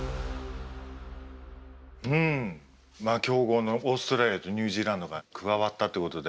強豪のオーストラリアとニュージーランドが加わったということで。